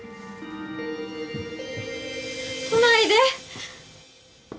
来ないで